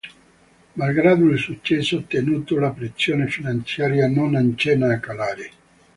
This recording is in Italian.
Malgrado il successo ottenuto, la pressione finanziaria non accenna a calare.